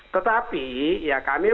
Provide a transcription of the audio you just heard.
tetapi ya kami mempunyai